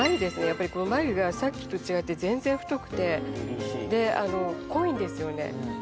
やっぱりこの眉がさっきと違って全然太くてで濃いんですよね